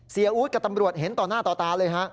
เสียอุดกับตำรวจเห็นต่อหน้าต่อตาเลย